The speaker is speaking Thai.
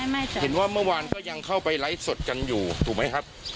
มันกดว่ามือวานก็ยังเข้าไปไลฟ์สดกันอยู่ถูกไหมฮะ